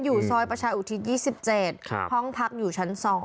อยู่ซอยประชาอุทิศ๒๗ห้องพักอยู่ชั้น๒